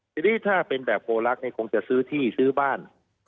ทีนี้ถ้าเป็นแบบโพลักษ์คงจะซื้อที่ซื้อบ้าน